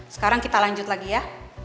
sekarang kita lanjut lagi ya